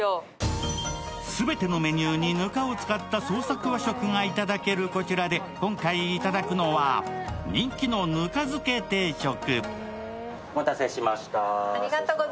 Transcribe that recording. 全てのメニューにぬかを使って創作和食をいただけるこちらで今回いただくのは、人気のぬか漬け定食。